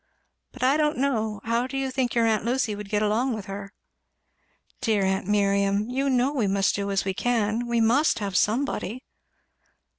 But I don't know, how do you think your aunt Lucy would get along with her?" "Dear aunt Miriam! you know we must do as we can. We must have somebody."